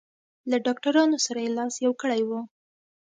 له ډاکټرانو سره یې لاس یو کړی و.